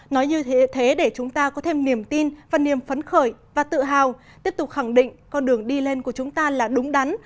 nói như thế để chúng ta có thêm niềm tin và niềm phấn khởi và tự hào tiếp tục khẳng định con đường đi lên của chúng ta là đúng đắn